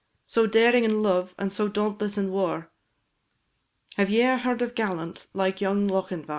So daring in love, and so dauntless in war, Have ye e'er heard of gallant like young Lochinvar?